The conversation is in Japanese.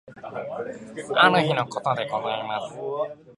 ある日の事でございます。